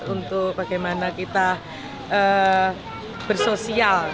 untuk bagaimana kita bersosial